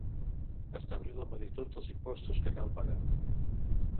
Establir la magnitud dels impostos que cal pagar.